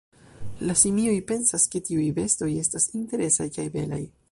La simioj pensas ke tiuj bestoj estas interesaj kaj belaj.